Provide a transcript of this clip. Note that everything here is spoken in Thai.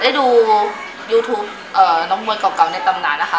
ได้ดูยูทูปน้องมวยเก่าในตำนานนะคะ